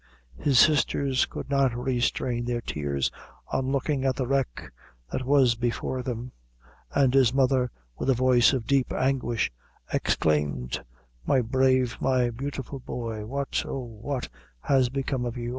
His sisters could not restrain their tears, on looking at the wreck that was before them; and his mother, with a voice of deep anguish, exclaimed "My brave, my beautiful boy, what, oh, what has become of you?